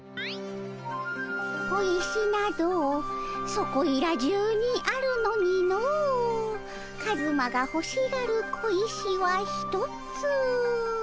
「小石などそこいら中にあるのにのカズマがほしがる小石はひとつ」。